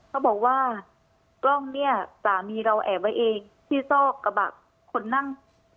เขาบอกว่ากล้องเนี่ยสามีเราแอบไว้เองที่ซอกกระบะคนนั่ง